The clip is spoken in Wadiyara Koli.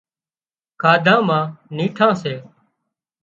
کاڌا مان نيٺان سي